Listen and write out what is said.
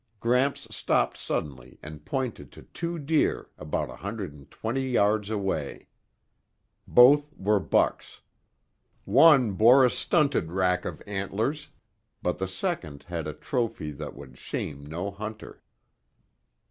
Gramps stopped suddenly and pointed to two deer about a hundred and twenty yards away. Both were bucks. One bore a stunted rack of antlers, but the second had a trophy that would shame no hunter.